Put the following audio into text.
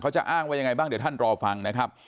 จะอ้างว่ายังไงบ้างเดี๋ยวท่านรอฟังนะครับ